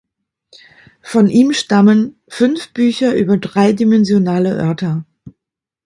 Von ihm stammen "Fünf Bücher über dreidimensionale Örter".